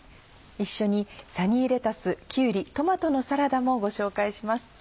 一緒に「サニーレタスきゅうりトマトのサラダ」もご紹介します。